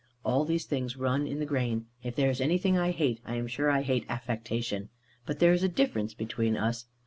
All these things run in the grain. If there is anything I hate, I am sure I hate affectation. But there is a difference between us.